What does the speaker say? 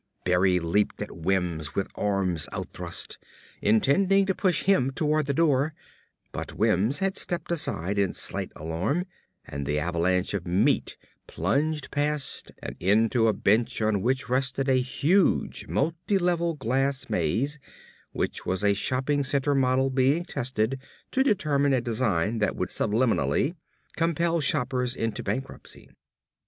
Berry leaped at Wims with arms outthrust, intending to push him toward the door, but Wims had stepped aside in slight alarm and the avalanche of meat plunged past and into a bench on which rested a huge, multilevel glass maze which was a shopping center model being tested to determine a design that would subliminally compel shoppers into bankruptcy.